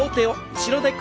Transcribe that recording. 後ろです。